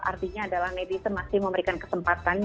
artinya adalah netizen masih memberikan kesempatan